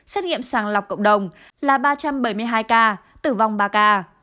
xét nghiệm sàng lọc cộng đồng là ba trăm bảy mươi hai ca tử vong ba ca